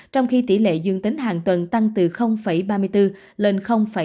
trong khi tỷ lệ dương tính hàng tuần tăng từ ba mươi bốn lên ba mươi